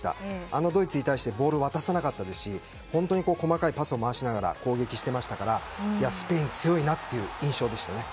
あのドイツに対してボールを渡さなかったですし本当に細かいパスを回しながら攻撃していましたからスペイン、強いなという印象でしたね。